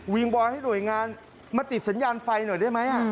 บอยให้หน่วยงานมาติดสัญญาณไฟหน่อยได้ไหม